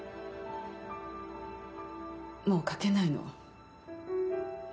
もう書けないの。